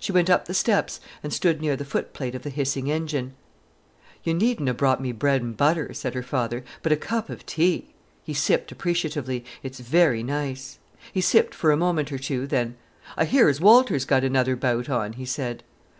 She went up the steps and stood near the footplate of the hissing engine. "You needn't 'a' brought me bread an' butter," said her father. "But a cup of tea"—he sipped appreciatively—"it's very nice." He sipped for a moment or two, then: "I hear as Walter's got another bout on," he said.